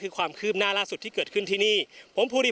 พร้อมด้วยผลตำรวจเอกนรัฐสวิตนันอธิบดีกรมราชทัน